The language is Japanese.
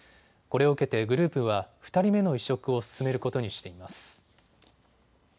これを受けてグループは２人目の移植を進めることにしています。